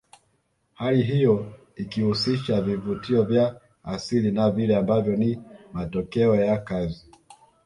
Hali hiyo ikihusisha vivutio vya asili na vile ambavyo ni matokeo ya kazi